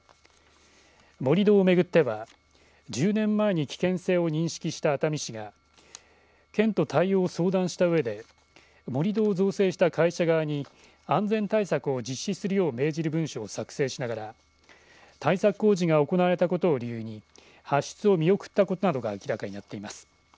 盛り土を巡っては１０年前に危険性を認識した熱海市が県と対応を相談したうえで盛り土を造成した会社側に安全対策を実施するよう命じる文書を作成しながら対策工事が行われたことを理由に発出を見送ったことなどが明らかになっています。